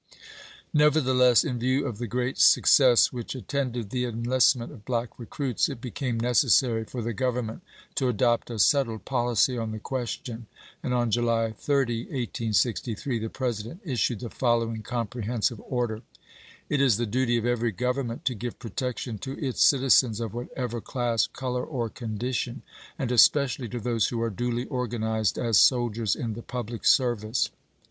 Nevertheless, in view of the great success which attended the enlistment of black recruits, it be came necessary for the Grovernment to adopt a settled policy on the question, and on July 30, 1863, the President issued the following comprehensive order : It is the duty of every government to give protection to its citizens of whatever class, color, or condition, and especially to those who are duly organized as soldiers in the public service.